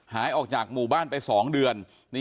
หายออกจากหมู่บ้านไป๒เดือน